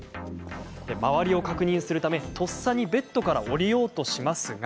周りを確認するためとっさにベッドから降りようとしますが。